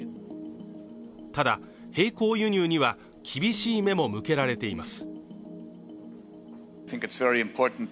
ただ並行輸入には厳しい目も向けられています